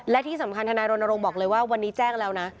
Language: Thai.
และที่สำคัญธนายรณรงค์บอกเลยว่าวันนี้แจ้งแล้วนะ